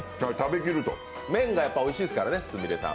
麺がおいしいですからね、すみれさん。